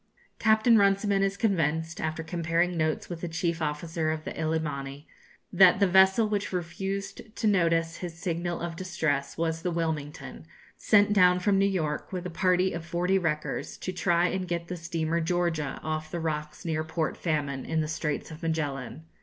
Captain Runciman is convinced, after comparing notes with the chief officer of the 'Illimani,' that the vessel which refused to notice his signal of distress was the 'Wilmington,' sent down from New York, with a party of forty wreckers, to try and get the steamer 'Georgia' off the rocks near Port Famine, in the Straits of Magellan.